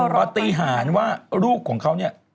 ปฏิหารว่าลูกของเขา